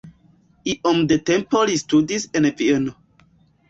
Iom de tempo li studis en Vieno.